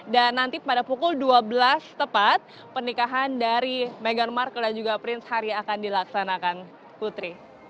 dan nanti pada pukul dua belas tepat pernikahan dari meghan markle dan juga prince harry akan dilaksanakan putri